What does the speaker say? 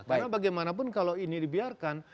karena bagaimanapun kalau ini dibiarkan